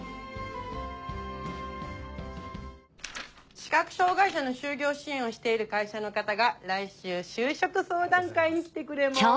視覚障がい者の就業支援をしている会社の方が来週就職相談会に来てくれます。